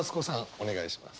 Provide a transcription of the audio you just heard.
お願いします。